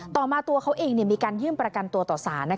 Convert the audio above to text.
ต่อมาตัวเขาเองมีการยื่นประกันตัวต่อสาร